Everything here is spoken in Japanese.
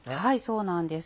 そうなんです。